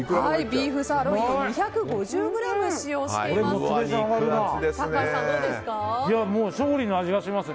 ビーフサーロインを２５０ｇ使用しています。